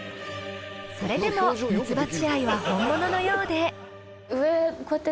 それでもミツバチ愛は本物のようで。